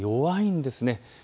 弱いんです。